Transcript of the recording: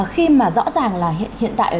khi mà rõ ràng là hiện tại